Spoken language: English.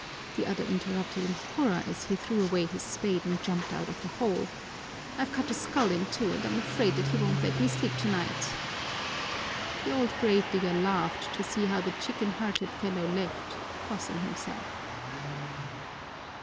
the other interrupted in horror as he threw away his spade and jumped out of the hole. "I've cut a skull in two and I'm afraid that it won't let me sleep tonight." The old grave digger laughed to see how the chicken hearted fellow left, crossing himself.